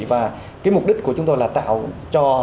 và cái mục đích của chúng tôi là tạo cho